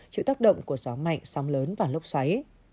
chịu tác động của gió mạnh sóng lớn và lốc xoáy